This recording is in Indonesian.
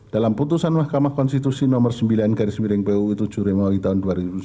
dalam putusan mahkamah konstitusi nomor sembilan garis miring puu tujuh remowi tahun dua ribu sembilan belas